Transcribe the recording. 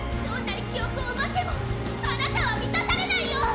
どんなに記憶をうばってもあなたはみたされないよ